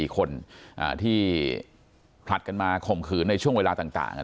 ๔คนที่ผลัดกันมาข่มขืนในช่วงเวลาต่าง